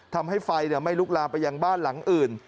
ทำให้ไฟไม่ลุกลามไปยังบ้านหลังอื่น